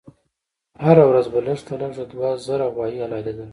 هر ورځ به لږ تر لږه دوه زره غوایي حلالېدل.